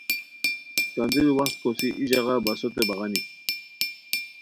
کندوری وخت کوسی ای ژاغا بسوتے بغانی